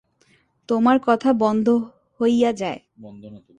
তোমার কথা বন্ধ হইয়া যায়।